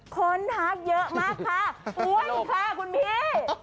ทักเยอะมากค่ะอ้วยค่ะคุณพี่